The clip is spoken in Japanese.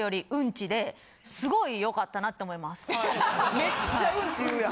めっちゃウンチ言うやん。